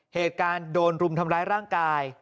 เหตุการณ์โดนรุมทำร้ายร่างกาย